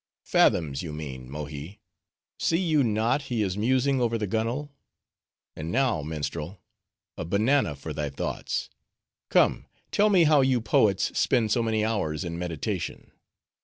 "Fathoms you mean, Mohi; see you not he is musing over the gunwale? And now, minstrel, a banana for thy thoughts. Come, tell me how you poets spend so many hours in meditation."